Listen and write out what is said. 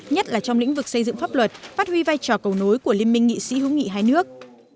nhất là trong lĩnh vực xây dựng pháp luật phát huy vai trò cầu nối của liên minh nghị sĩ hữu nghị hai nước